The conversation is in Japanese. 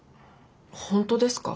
本当ですか？